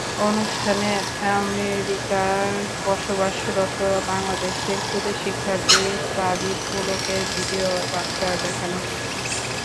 অনুষ্ঠানে আমেরিকায় বসবাসরত বাংলাদেশের খুদে শিক্ষার্থী সাবিত পুলকের ভিডিও বার্তা দেখানো হয়।